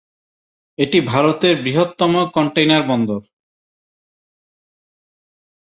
এটি ভারতের বৃহত্তম কন্টেইনার বন্দর।